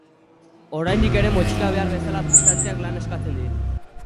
Oraindik ere motxila behar bezala prestatzeak lana eskatzen dit.